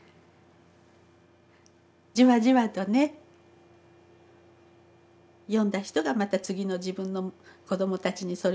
じわじわとね読んだ人がまた次の自分の子どもたちにそれを伝えてね